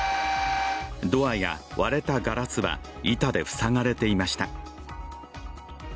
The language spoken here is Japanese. ドアや割れたガラスは板で塞がれていました。